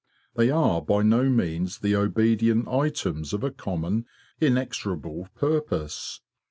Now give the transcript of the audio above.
They are by no means the obedient items of a common inexorable purpose.